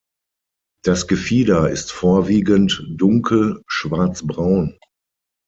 Das Gefieder ist vorwiegend dunkel schwarzbraun.